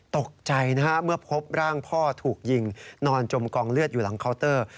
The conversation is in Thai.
ตกใจนะฮะเมื่อพบร่างพ่อถูกยิงนอนจมกองเลือดอยู่หลังเคาน์เตอร์